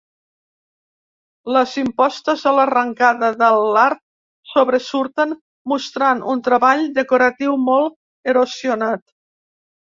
Les impostes a l'arrencada de l'arc sobresurten, mostrant un treball decoratiu molt erosionat.